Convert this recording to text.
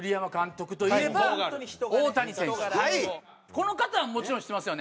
この方はもちろん知ってますよね？